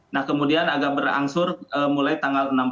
nah kemudian agak berangsur mulai tanggal enam belas